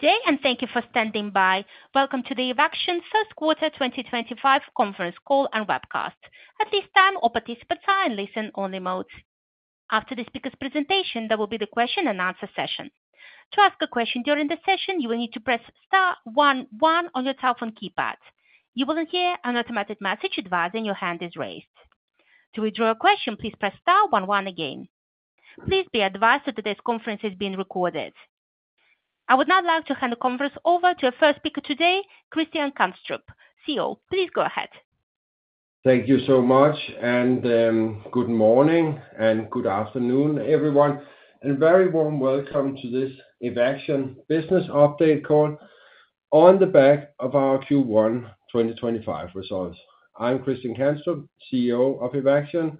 Good day, and thank you for standing by. Welcome to the Evaxion First Quarter 2025 Conference Call and Webcast. At this time, all participants are in listen-only mode. After the speaker's presentation, there will be the question-and-answer session. To ask a question during the session, you will need to press star one one on your telephone keypad. You will hear an automatic message advising your hand is raised. To withdraw a question, please press star one one again. Please be advised that today's conference is being recorded. I would now like to hand the conference over to our first speaker today, Christian Kanstrup, CEO. Please go ahead. Thank you so much, and good morning and good afternoon, everyone, and a very warm welcome to this Evaxion Business Update call on the back of our Q1 2025 results. I'm Christian Kanstrup, CEO of Evaxion.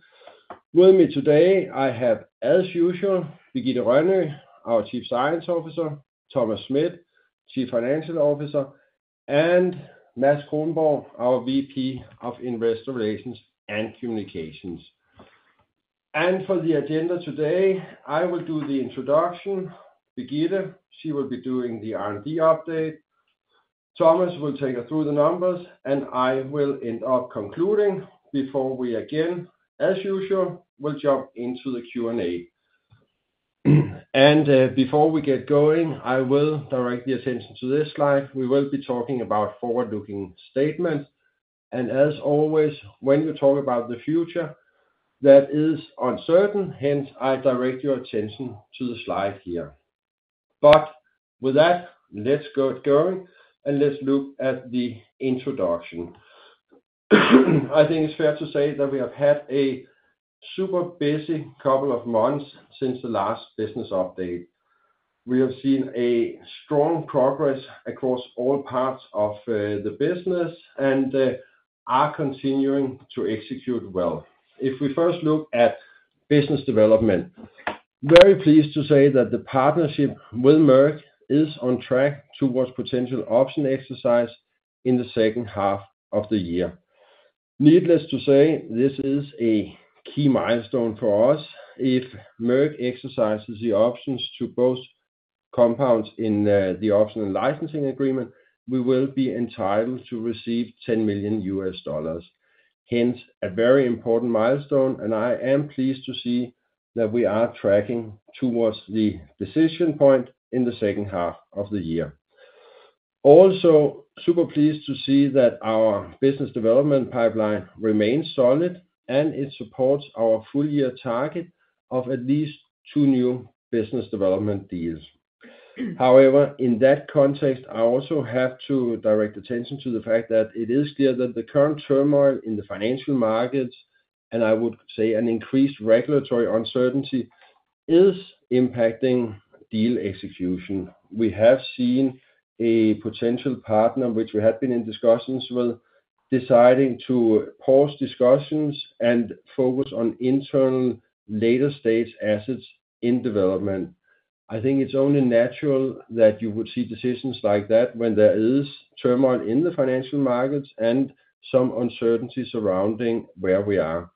With me today, I have, as usual, Birgitte Rønø, our Chief Science Officer; Thomas Schmidt, Chief Financial Officer; and Mads Kronborg, our VP of Investor Relations and Communications. For the agenda today, I will do the introduction. Birgitte, she will be doing the R&D update. Thomas will take us through the numbers, and I will end up concluding before we again, as usual, will jump into the Q&A. Before we get going, I will direct the attention to this slide. We will be talking about forward-looking statements. As always, when you talk about the future, that is uncertain. Hence, I direct your attention to the slide here. With that, let's get going, and let's look at the introduction. I think it's fair to say that we have had a super busy couple of months since the last business update. We have seen strong progress across all parts of the business and are continuing to execute well. If we first look at business development, I'm very pleased to say that the partnership with Merck is on track towards potential option exercise in the second half of the year. Needless to say, this is a key milestone for us. If Merck exercises the options to both compounds in the option and licensing agreement, we will be entitled to receive $10 million. Hence, a very important milestone, and I am pleased to see that we are tracking towards the decision point in the second half of the year. Also, super pleased to see that our business development pipeline remains solid, and it supports our full-year target of at least two new business development deals. However, in that context, I also have to direct attention to the fact that it is clear that the current turmoil in the financial markets, and I would say an increased regulatory uncertainty, is impacting deal execution. We have seen a potential partner, which we had been in discussions with, deciding to pause discussions and focus on internal later-stage assets in development. I think it is only natural that you would see decisions like that when there is turmoil in the financial markets and some uncertainty surrounding where we are.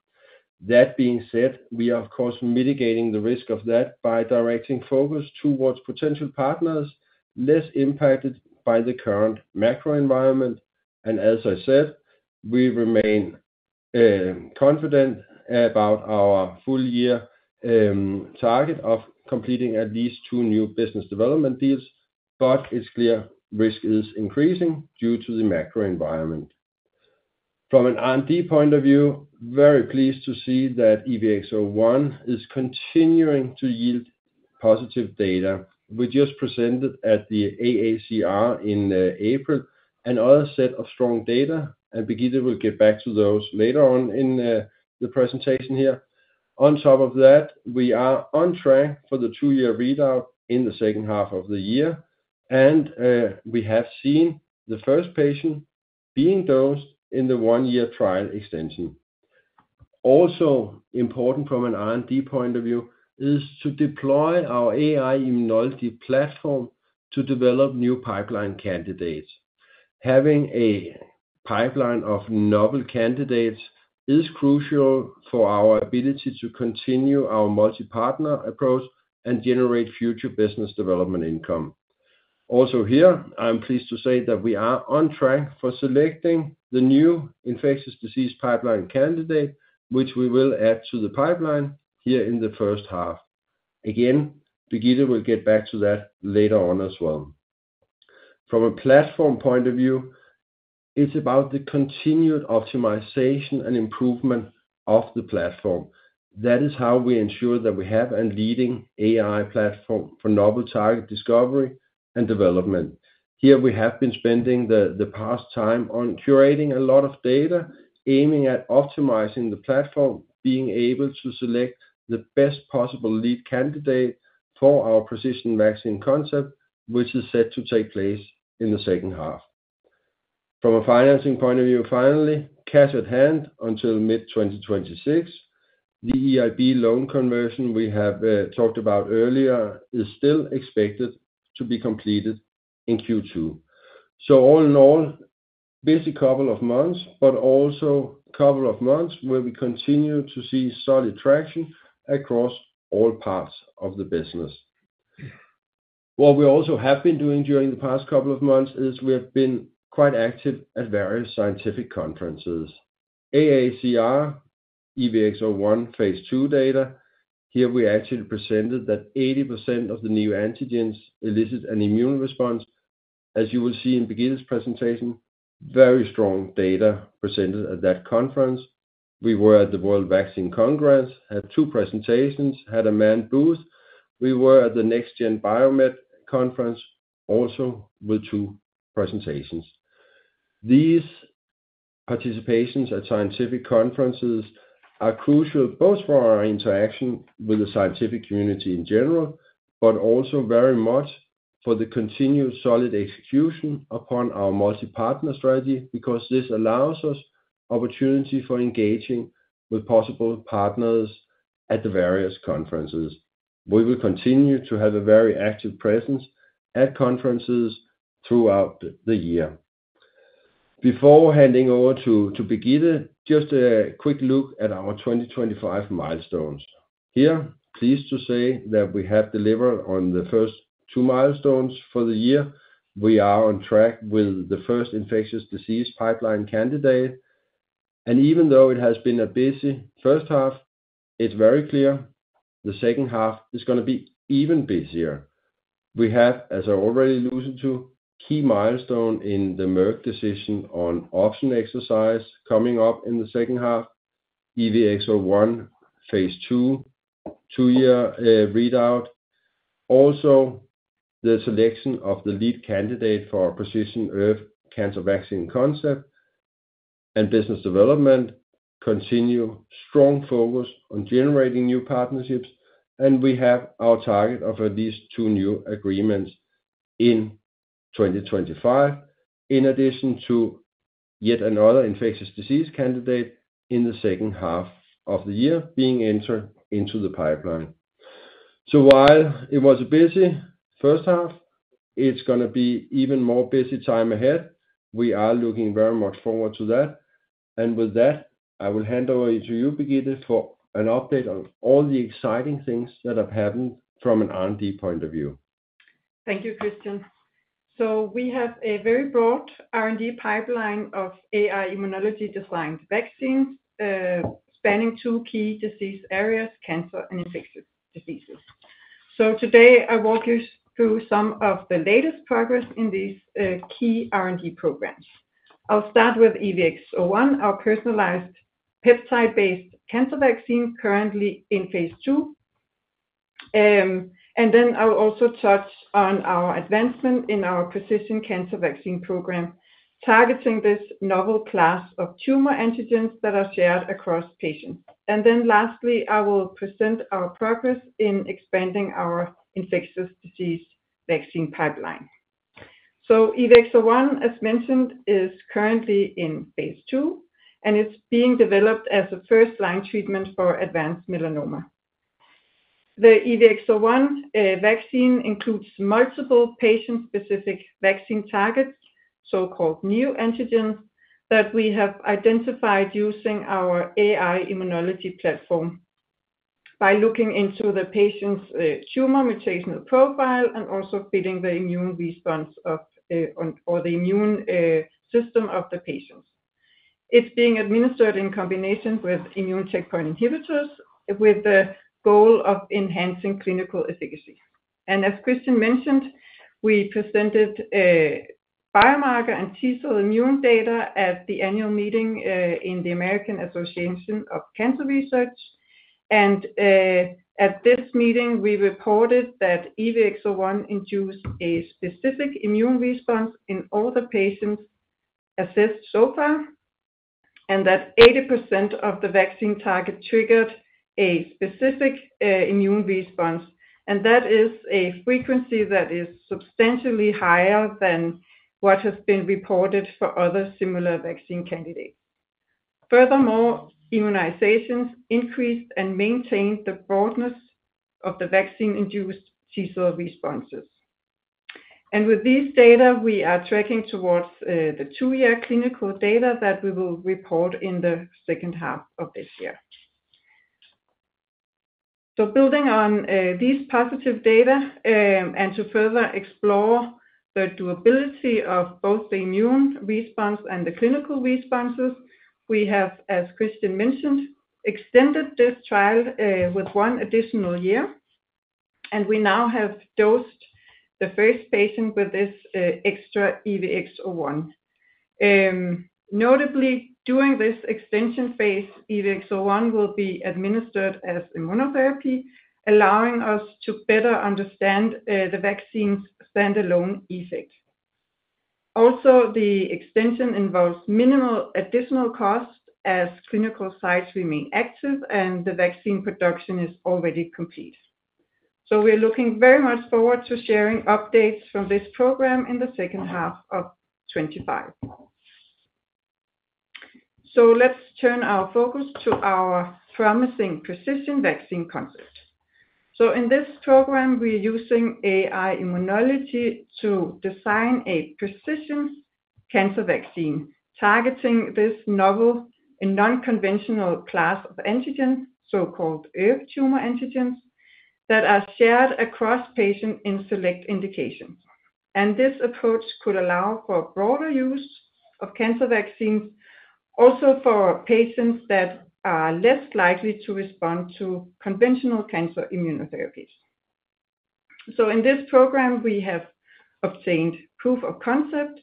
That being said, we are, of course, mitigating the risk of that by directing focus towards potential partners less impacted by the current macro environment. As I said, we remain confident about our full-year target of completing at least two new business development deals, but it is clear risk is increasing due to the macro environment. From an R&D point of view, I am very pleased to see that EVX-01 is continuing to yield positive data. We just presented at the AACR in April another set of strong data, and Birgitte will get back to those later on in the presentation here. On top of that, we are on track for the two-year readout in the second half of the year, and we have seen the first patient being dosed in the one-year trial extension. Also, important from an R&D point of view, is to deploy our AI in multi-platform to develop new pipeline candidates. Having a pipeline of novel candidates is crucial for our ability to continue our multi-partner approach and generate future business development income. Also here, I'm pleased to say that we are on track for selecting the new infectious disease pipeline candidate, which we will add to the pipeline here in the first half. Again, Birgitte will get back to that later on as well. From a platform point of view, it's about the continued optimization and improvement of the platform. That is how we ensure that we have a leading AI platform for novel target discovery and development. Here, we have been spending the past time on curating a lot of data, aiming at optimizing the platform, being able to select the best possible lead candidate for our precision vaccine concept, which is set to take place in the second half. From a financing point of view, finally, cash at hand until mid-2026. The EIB loan conversion we have talked about earlier is still expected to be completed in Q2. All in all, busy couple of months, but also a couple of months where we continue to see solid traction across all parts of the business. What we also have been doing during the past couple of months is we have been quite active at various scientific conferences. AACR EVX-01 phase two data, here we actually presented that 80% of the new antigens elicit an immune response. As you will see in Birgitte's presentation, very strong data presented at that conference. We were at the World Vaccine Congress, had two presentations, had a manned booth. We were at the NextGen Biomed conference, also with two presentations. These participations at scientific conferences are crucial both for our interaction with the scientific community in general, but also very much for the continued solid execution upon our multi-partner strategy because this allows us opportunity for engaging with possible partners at the various conferences. We will continue to have a very active presence at conferences throughout the year. Before handing over to Birgitte, just a quick look at our 2025 milestones. Here, pleased to say that we have delivered on the first two milestones for the year. We are on track with the first infectious disease pipeline candidate. Even though it has been a busy first half, it's very clear the second half is going to be even busier. We have, as I already alluded to, key milestones in the Merck decision on option exercise coming up in the second half, EVX-01 phase II, two-year readout. Also, the selection of the lead candidate for precision Earth cancer vaccine concept and business development continues strong focus on generating new partnerships. We have our target of at least two new agreements in 2025, in addition to yet another infectious disease candidate in the second half of the year being entered into the pipeline. While it was a busy first half, it is going to be even more busy time ahead. We are looking very much forward to that. With that, I will hand over to you, Birgitte, for an update on all the exciting things that have happened from an R&D point of view. Thank you, Christian. We have a very broad R&D pipeline of AI immunology designed vaccines spanning two key disease areas, cancer and infectious diseases. Today, I walk you through some of the latest progress in these key R&D programs. I'll start with EVX-01, our personalized peptide-based cancer vaccine currently in phase II. I'll also touch on our advancement in our precision cancer vaccine program, targeting this novel class of tumor antigens that are shared across patients. Lastly, I will present our progress in expanding our infectious disease vaccine pipeline. EVX-01, as mentioned, is currently in phase II and it's being developed as a first-line treatment for advanced melanoma. The EVX-01 vaccine includes multiple patient-specific vaccine targets, so-called new antigens, that we have identified using our AI immunology platform by looking into the patient's tumor mutational profile and also fitting the immune response of or the immune system of the patients. It is being administered in combination with immune checkpoint inhibitors with the goal of enhancing clinical efficacy. As Christian mentioned, we presented biomarker and T cell immune data at the annual meeting in the American Association of Cancer Research. At this meeting, we reported that EVX-01 induced a specific immune response in all the patients assessed so far, and that 80% of the vaccine target triggered a specific immune response. That is a frequency that is substantially higher than what has been reported for other similar vaccine candidates. Furthermore, immunizations increased and maintained the broadness of the vaccine-induced T cell responses. With these data, we are tracking towards the two-year clinical data that we will report in the second half of this year. Building on these positive data and to further explore the durability of both the immune response and the clinical responses, we have, as Christian mentioned, extended this trial with one additional year. We now have dosed the first patient with this extra EVX-01. Notably, during this extension phase, EVX-01 will be administered as immunotherapy, allowing us to better understand the vaccine's standalone effect. Also, the extension involves minimal additional cost as clinical sites remain active and the vaccine production is already complete. We are looking very much forward to sharing updates from this program in the second half of 2025. Let's turn our focus to our promising precision vaccine concept. In this program, we're using AI immunology to design a precision cancer vaccine targeting this novel and non-conventional class of antigen, so-called ERV tumor antigens, that are shared across patients in select indications. This approach could allow for broader use of cancer vaccines, also for patients that are less likely to respond to conventional cancer immunotherapies. In this program, we have obtained proof of concept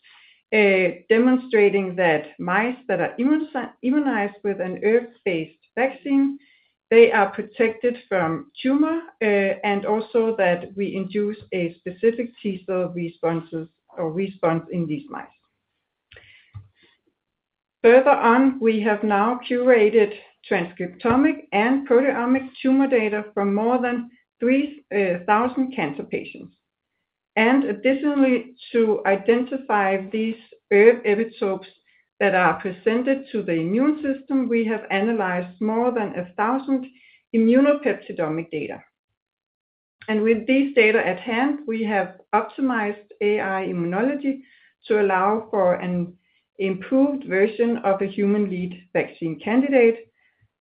demonstrating that mice that are immunized with an ERV-based vaccine, they are protected from tumor and also that we induce a specific T cell responses or response in these mice. Further on, we have now curated transcriptomic and proteomic tumor data from more than 3,000 cancer patients. Additionally, to identify these ERV epitopes that are presented to the immune system, we have analyzed more than 1,000 immunopeptidomic data. With these data at hand, we have optimized AI immunology to allow for an improved version of a human lead vaccine candidate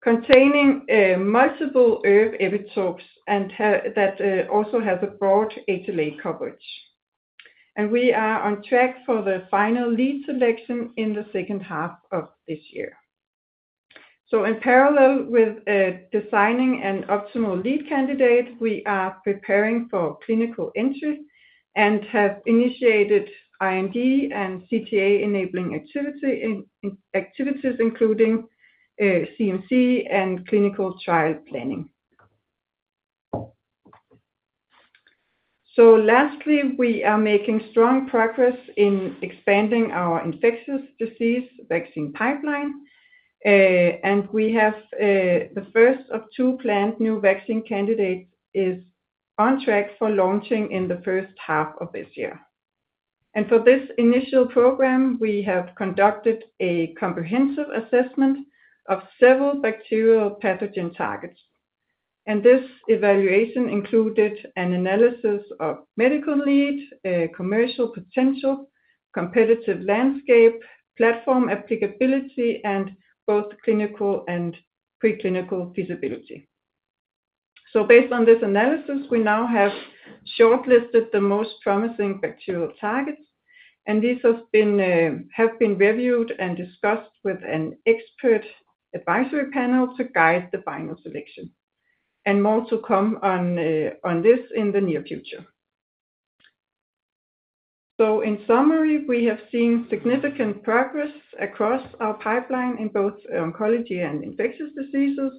containing multiple ERV epitopes and that also has a broad HLA coverage. We are on track for the final lead selection in the second half of this year. In parallel with designing an optimal lead candidate, we are preparing for clinical entry and have initiated IND and CTA enabling activities, including CMC and clinical trial planning. Lastly, we are making strong progress in expanding our infectious disease vaccine pipeline. The first of two planned new vaccine candidates is on track for launching in the first half of this year. For this initial program, we have conducted a comprehensive assessment of several bacterial pathogen targets. This evaluation included an analysis of medical lead, commercial potential, competitive landscape, platform applicability, and both clinical and preclinical feasibility. Based on this analysis, we now have shortlisted the most promising bacterial targets. These have been reviewed and discussed with an expert advisory panel to guide the final selection. More to come on this in the near future. In summary, we have seen significant progress across our pipeline in both oncology and infectious diseases.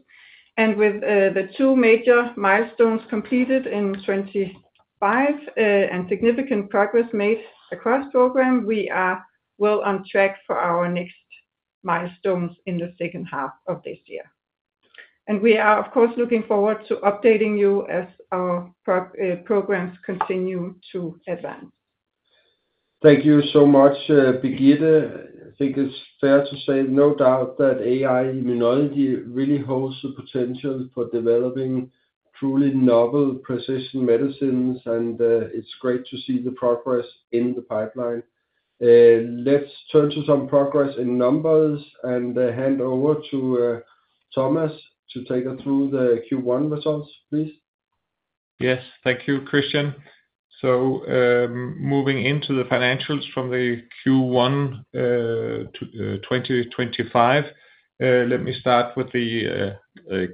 With the two major milestones completed in 2025 and significant progress made across the program, we are well on track for our next milestones in the second half of this year. We are, of course, looking forward to updating you as our programs continue to advance. Thank you so much, Birgitte. I think it's fair to say no doubt that AI immunology really holds the potential for developing truly novel precision medicines. And it's great to see the progress in the pipeline. Let's turn to some progress in numbers and hand over to Thomas to take us through the Q1 results, please. Yes, thank you, Christian. Moving into the financials from the Q1 to 2025, let me start with the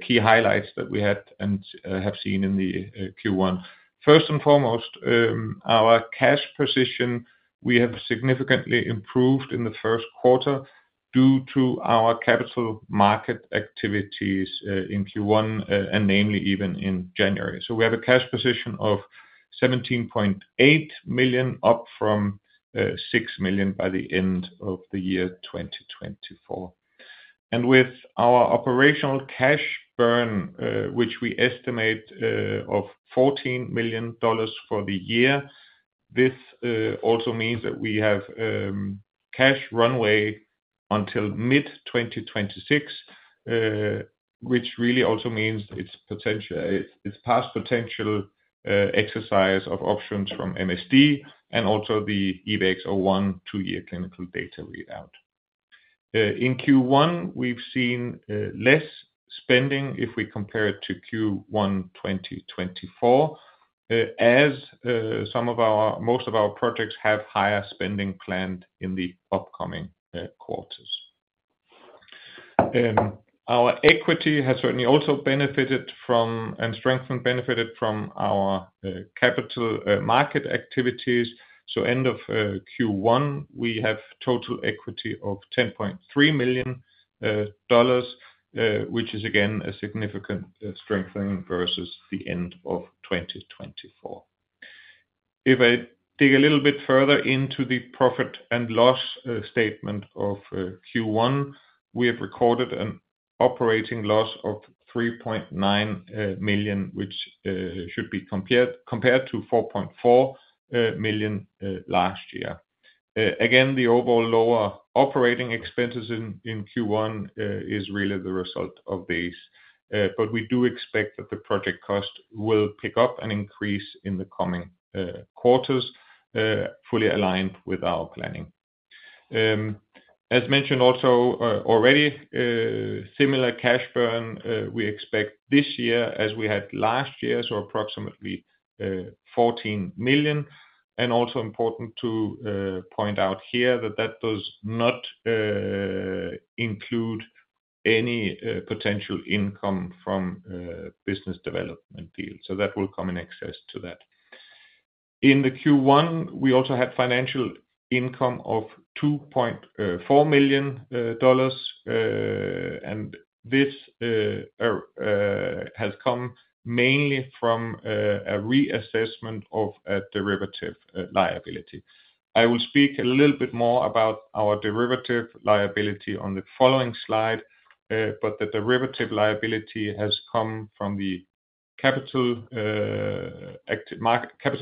key highlights that we had and have seen in the Q1. First and foremost, our cash position, we have significantly improved in the first quarter due to our capital market activities in Q1 and namely even in January. We have a cash position of 17.8 million, up from 6 million by the end of the year 2024. With our operational cash burn, which we estimate at $14 million for the year, this also means that we have cash runway until mid-2026, which really also means it is past potential exercise of options from MSD and also the EVX-01 two-year clinical data readout. In Q1, we have seen less spending if we compare it to Q1 2024, as most of our projects have higher spending planned in the upcoming quarters. Our equity has certainly also benefited from and strengthened benefited from our capital market activities. End of Q1, we have total equity of $10.3 million, which is again a significant strengthening versus the end of 2023. If I dig a little bit further into the profit and loss statement of Q1, we have recorded an operating loss of 3.9 million, which should be compared to 4 million last year. Again, the overall lower operating expenses in Q1 is really the result of these. We do expect that the project cost will pick up and increase in the coming quarters, fully aligned with our planning. As mentioned also already, similar cash burn we expect this year as we had last year, so approximately 14 million. Also important to point out here that that does not include any potential income from business development deals. That will come in excess to that. In the Q1, we also had financial income of $2.4 million. This has come mainly from a reassessment of a derivative liability. I will speak a little bit more about our derivative liability on the following slide, but the derivative liability has come from the capital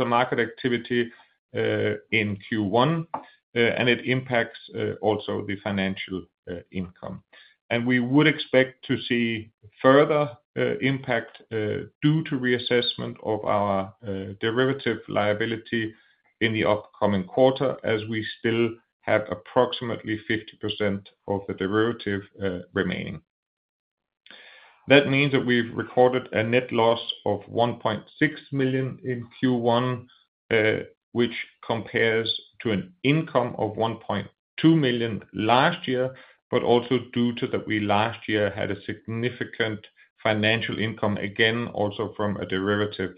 market activity in Q1, and it impacts also the financial income. We would expect to see further impact due to reassessment of our derivative liability in the upcoming quarter as we still have approximately 50% of the derivative remaining. That means that we've recorded a net loss of 1.6 million in Q1, which compares to an income of 1.2 million last year, but also due to that we last year had a significant financial income again, also from a derivative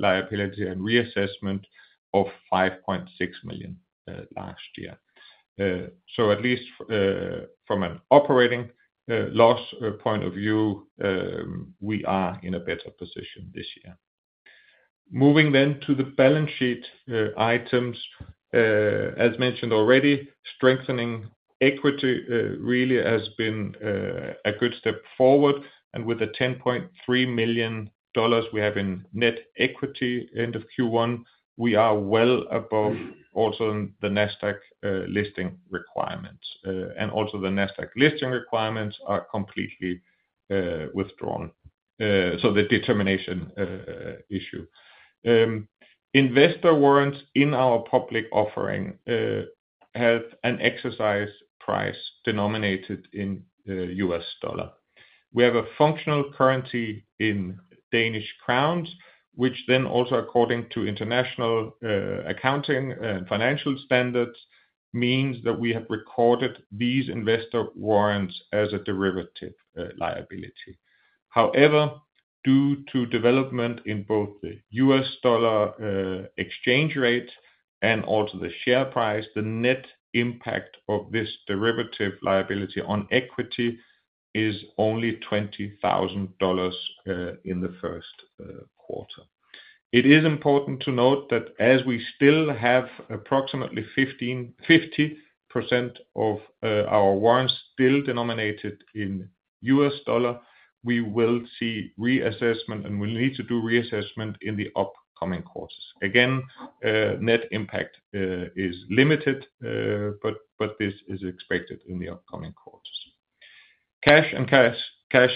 liability and reassessment of 5.6 million last year. At least from an operating loss point of view, we are in a better position this year. Moving then to the balance sheet items. As mentioned already, strengthening equity really has been a good step forward. With the $10.3 million we have in net equity end of Q1, we are well above also the NASDAQ listing requirements. Also, the NASDAQ listing requirements are completely withdrawn. The determination issue. Investor warrants in our public offering have an exercise price denominated in U.S. dollar. We have a functional currency in Danish kroner, which then also according to international accounting and financial standards means that we have recorded these investor warrants as a derivative liability. However, due to development in both the U.S. dollar exchange rate and also the share price, the net impact of this derivative liability on equity is only $20,000 in the first quarter. It is important to note that as we still have approximately 50% of our warrants still denominated in U.S. dollar, we will see reassessment and we'll need to do reassessment in the upcoming quarters. Again, net impact is limited, but this is expected in the upcoming quarters. Cash and cash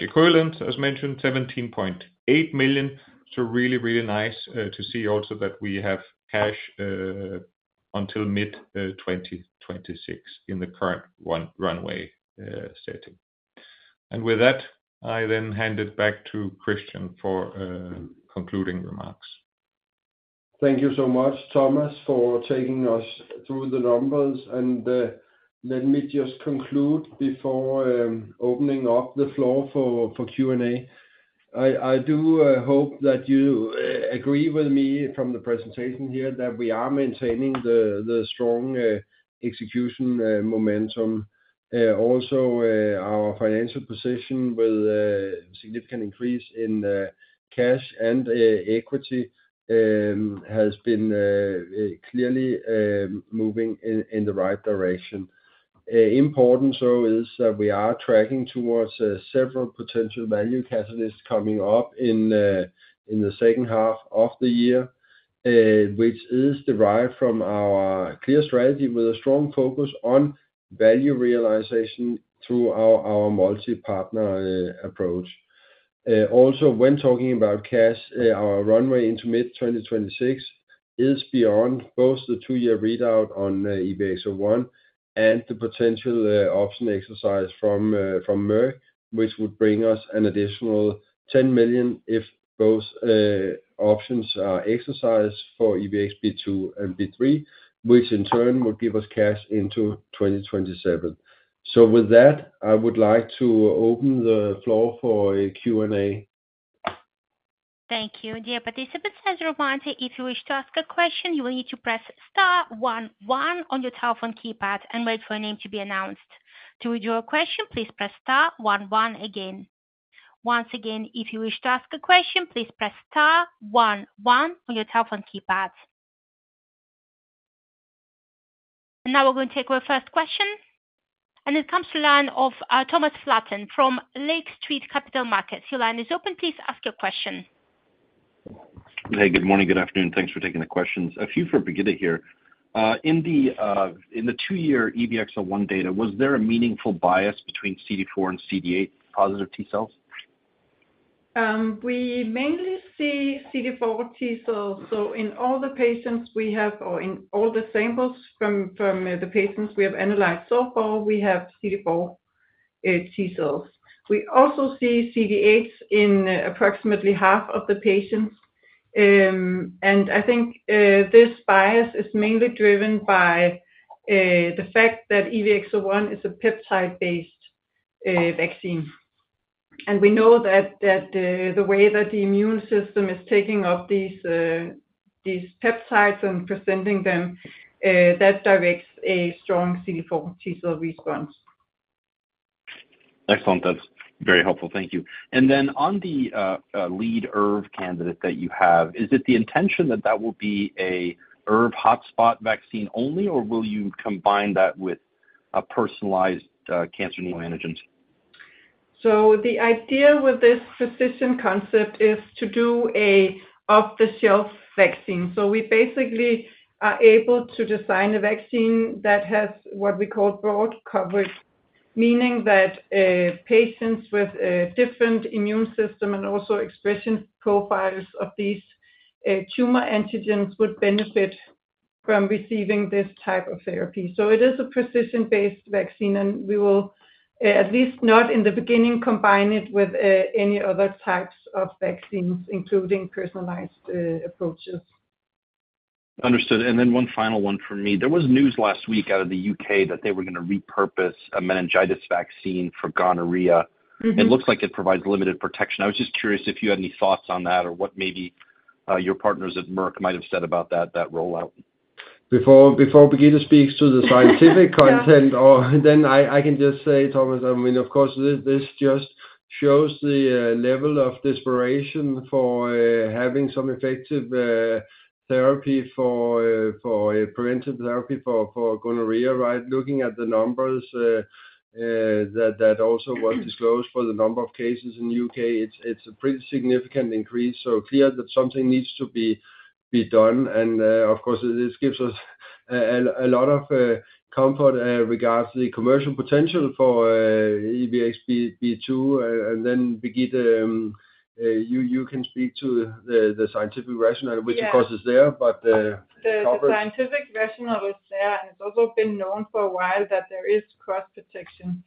equivalents, as mentioned, 17.8 million. Really, really nice to see also that we have cash until mid-2026 in the current runway setting. With that, I then hand it back to Christian for concluding remarks. Thank you so much, Thomas, for taking us through the numbers. Let me just conclude before opening up the floor for Q&A. I do hope that you agree with me from the presentation here that we are maintaining the strong execution momentum. Also, our financial position with significant increase in cash and equity has been clearly moving in the right direction. Important so is that we are tracking towards several potential value catalysts coming up in the second half of the year, which is derived from our clear strategy with a strong focus on value realization through our multi-partner approach. Also, when talking about cash, our runway into mid-2026 is beyond both the two-year readout on EVX-01 and the potential option exercise from Merck, which would bring us an additional $10 million if both options are exercised for EVX-B2 and B3, which in turn would give us cash into 2027. With that, I would like to open the floor for Q&A. Thank you. Dear participants, as a reminder, if you wish to ask a question, you will need to press star one one on your telephone keypad and wait for your name to be announced. To withdraw a question, please press star one one again. Once again, if you wish to ask a question, please press star 11 on your telephone keypad. We are going to take our first question. It comes to the line of Thomas Flaten from Lake Street Capital Markets. Your line is open. Please ask your question. Hey, good morning, good afternoon. Thanks for taking the questions. A few for Birgitte here. In the two-year EVX-01 data, was there a meaningful bias between CD4 and CD8 positive T cells? We mainly see CD4 T cells. In all the patients we have or in all the samples from the patients we have analyzed so far, we have CD4 T cells. We also see CD8s in approximately half of the patients. I think this bias is mainly driven by the fact that EVX-01 is a peptide-based vaccine. We know that the way that the immune system is taking up these peptides and presenting them, that directs a strong CD4 T cell response. Excellent. That's very helpful. Thank you. On the lead ERV candidate that you have, is it the intention that that will be an ERV hotspot vaccine only, or will you combine that with a personalized cancer new antigens? The idea with this precision concept is to do an off-the-shelf vaccine. We basically are able to design a vaccine that has what we call broad coverage, meaning that patients with different immune system and also expression profiles of these tumor antigens would benefit from receiving this type of therapy. It is a precision-based vaccine, and we will, at least not in the beginning, combine it with any other types of vaccines, including personalized approaches. Understood. One final one for me. There was news last week out of the U.K. that they were going to repurpose a meningitis vaccine for gonorrhea. It looks like it provides limited protection. I was just curious if you had any thoughts on that or what maybe your partners at Merck might have said about that rollout. Before Birgitte speaks to the scientific content, then I can just say, Thomas, I mean, of course, this just shows the level of desperation for having some effective therapy for preventive therapy for gonorrhea, right? Looking at the numbers that also were disclosed for the number of cases in the U.K., it's a pretty significant increase. It is clear that something needs to be done. This gives us a lot of comfort with regards to the commercial potential for EVX-B2. Birgitte, you can speak to the scientific rationale, which of course is there, but. The scientific rationale is there. It is also been known for a while that there is cross-protection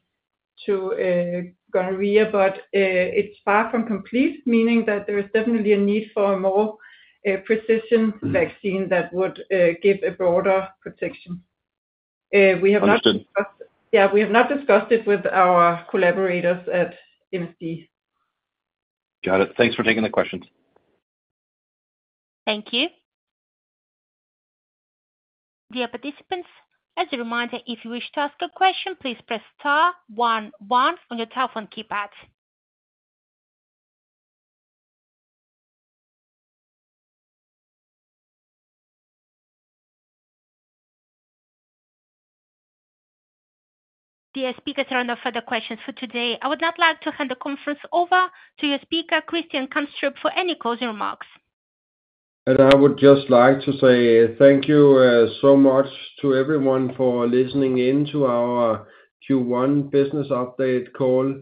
to gonorrhea, but it is far from complete, meaning that there is definitely a need for a more precision vaccine that would give a broader protection. We have not discussed. Understood. Yeah, we have not discussed it with our collaborators at MSD. Got it. Thanks for taking the questions. Thank you. Dear participants, as a reminder, if you wish to ask a question, please press star one one on your telephone keypad. Dear speakers, there are no further questions for today. I would now like to hand the conference over to your speaker, Christian Kanstrup, for any closing remarks. I would just like to say thank you so much to everyone for listening in to our Q1 business update call.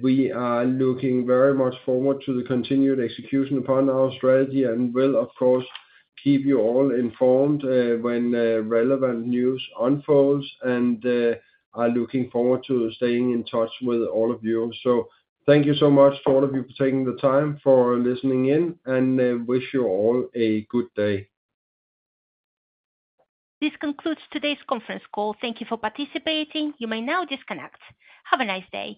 We are looking very much forward to the continued execution upon our strategy and will, of course, keep you all informed when relevant news unfolds. I am looking forward to staying in touch with all of you. Thank you so much to all of you for taking the time for listening in and wish you all a good day. This concludes today's conference call. Thank you for participating. You may now disconnect. Have a nice day.